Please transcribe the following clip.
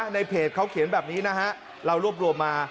ในเพจเขาเขียนแบบนี้นะฮะเรารวบรวมมา